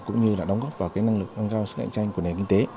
cũng như là đóng góp vào năng lực nâng cao sức cạnh tranh của nền kinh tế